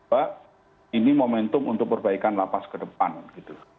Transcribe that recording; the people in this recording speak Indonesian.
pak ini momentum untuk perbaikan lapas ke depan gitu